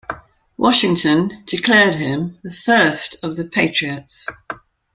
Washington declared him the first of the patriots.